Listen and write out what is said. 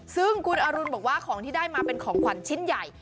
ซึ่งคุณอรุณบอกว่าของที่ได้มาเป็นของขวัญชิ้นใหญ่